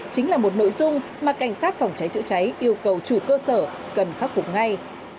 chính là một nội dung mà cảnh sát phòng cháy chữa cháy yêu cầu chủ cơ sở cần khắc phục ngay